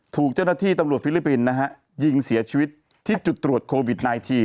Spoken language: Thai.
ถูกเจ้าหน้าที่ตำรวจฟิลิปปินส์นะฮะยิงเสียชีวิตที่จุดตรวจโควิด๑๙